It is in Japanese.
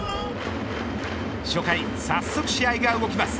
初回、早速試合が動きます。